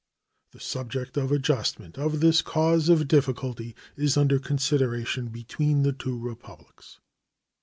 The subject of adjustment of this cause of difficulty is under consideration between the two Republics.